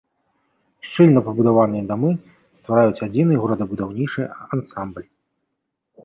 Шчыльна пабудаваныя дамы ствараюць адзіны горадабудаўнічы ансамбль.